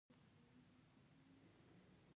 توپان د چایو په پیاله کې: